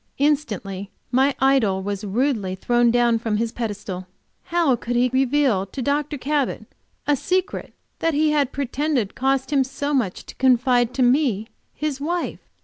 Instantly my idol was rudely thrown down from his pedestal. How could he reveal to Dr. Cabot a secret he had pretended it cost him so much to confide to me, his wife?